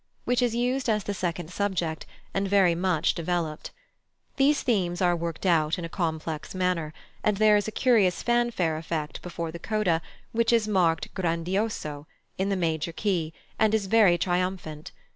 which is used as the second subject, and very much developed. These themes are worked out in a complex manner, and there is a curious fanfare effect before the coda, which is marked grandioso, in the major key, and is very triumphant.